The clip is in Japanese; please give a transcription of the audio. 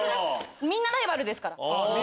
みんなライバルですから。